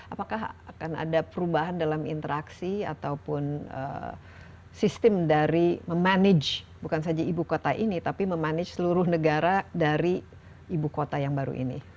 apakah akan ada perubahan dalam interaksi ataupun sistem dari memanage bukan saja ibu kota ini tapi memanage seluruh negara dari ibu kota yang baru ini